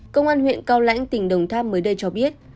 công an huyện cao lãnh tỉnh đồng tháp mới đây cho biết